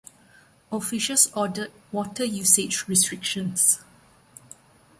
Officials ordered water usage restrictions.